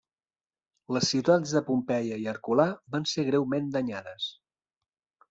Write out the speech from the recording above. Les ciutats de Pompeia i Herculà van ser greument danyades.